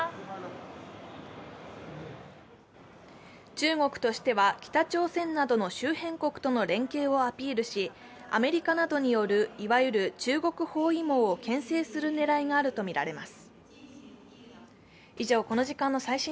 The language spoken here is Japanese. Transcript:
中国としては北朝鮮などの周辺国との連携をアピールしアメリカなどによるいわゆる中国包囲網をけん制する狙いがあるとみられます。